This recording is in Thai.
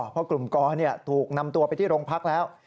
เพราะกลุ่มกรถูกนำตัวไปที่โรงพักแล้ว